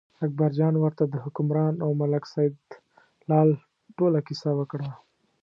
اکبرجان ورته د حکمران او ملک سیدلال ټوله کیسه وکړه.